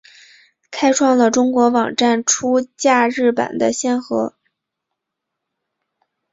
开创了中国网站出假日版的先河。